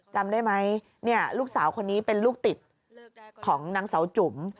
จำได้ไหมลูกสาวคนนี้เป็นลูกติดของนางเสาจุ๋ม